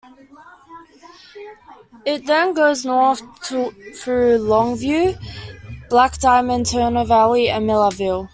It then goes north through Longview, Black Diamond, Turner Valley, and Millarville.